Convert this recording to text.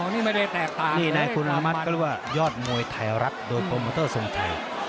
นี่ไงคุณอนามัสก็เรียกว่ายอดมวยไทยรักโดยโปรเมอร์เตอร์ส่วนไทย